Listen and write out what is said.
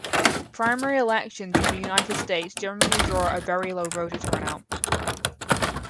Primary elections in the United States generally draw a very low voter turnout.